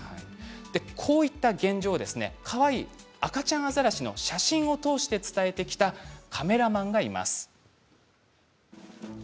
こういう現状をかわいい赤ちゃんアザラシの写真を通して伝えてきたカメラマンがいます。